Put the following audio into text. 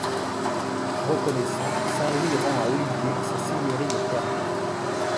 Reconnaissant, saint Louis rend à Olivier sa seigneurie de Termes.